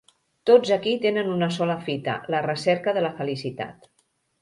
Tots aquí tenen una sola fita: la recerca de la felicitat.